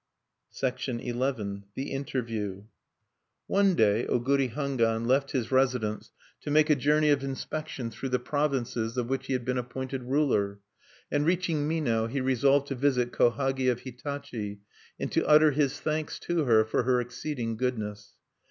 XI. THE INTERVIEW One day Oguri Hangwan left his residence to make a journey of inspection through the provinces of which he had been appointed ruler. And reaching Mino, he resolved to visit Kohagi of Hitachi, and to utter his thanks to her for her exceeding goodness.